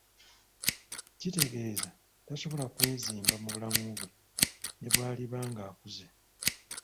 Kitegeeza tasobola kwezimba mu bulamu bwe nebwaliba ng'akuze.